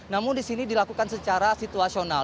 namun di sini dilakukan secara situasional